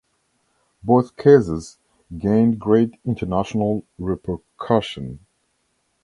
Both cases gained great international repercussion.